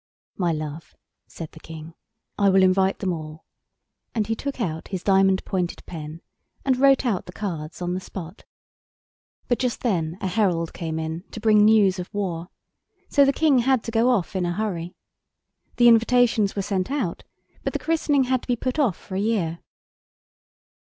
"My love," said the King, "I will invite them all," and he took out his diamond pointed pen and wrote out the cards on the spot. But just then a herald came in to bring news of war. So the King had to go off in a hurry. The invitations were sent out, but the christening had to be put off for a year.